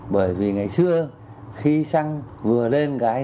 bởi vì ngày xưa khi xăng vừa lên cái